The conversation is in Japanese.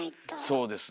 そうですねえ。